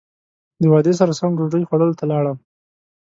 د وعدې سره سم ډوډۍ خوړلو ته لاړم.